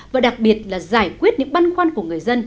và đặc biệt là giải quyết những băn khoăn của người dân